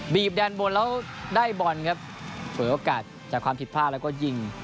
แดนบนแล้วได้บอลครับเปิดโอกาสจากความผิดพลาดแล้วก็ยิง